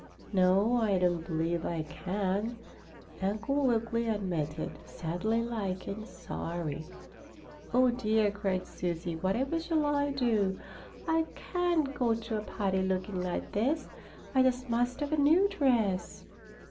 "No, I don't believe I can," Uncle Wiggily admitted, sadly like and sorry. "Oh, dear!" cried Susie. "Whatever shall I do? I can't go to a party looking like this! I just must have a new dress."